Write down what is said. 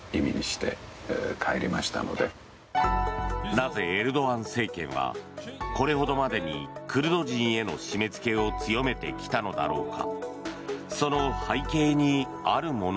なぜ、エルドアン政権はこれほどまでにクルド人への締め付けを強めてきたのだろうか。